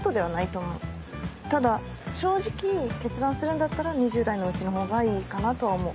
ただ正直決断するんだったら２０代のうちのほうがいいかなとは思う。